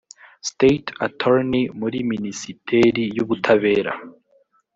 state attorney muri minisiteri y ubutabera